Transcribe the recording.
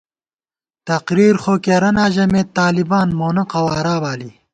تقریر خو کېرَنا ژَمېت طالِبان، مونہ قوارا بالی